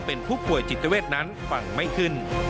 เป็นผู้ป่วยจิตเวทนั้นฟังไม่ขึ้น